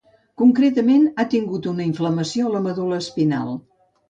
Concretament, ha tingut una inflamació a la medul·la espinal.